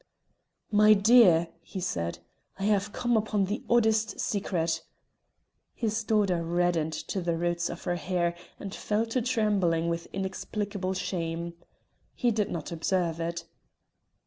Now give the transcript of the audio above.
"My dear," he said, "I have come upon the oddest secret." His daughter reddened to the roots of her hair, and fell to trembling with inexplicable shame. He did not observe it.